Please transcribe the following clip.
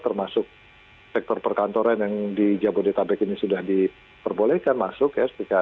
termasuk sektor perkantoran yang di jabodetabek ini sudah diperbolehkan masuk ya